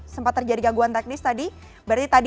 sempat terjadi gaguan teknis tadi berarti tadi